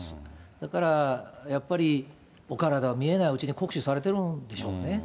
だからやっぱりお体は、見えないうちに酷使されてるんでしょうね。